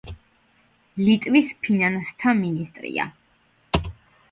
ლიტვის ფინანსთა მინისტრია.